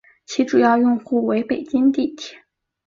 其主要用户为北京地铁。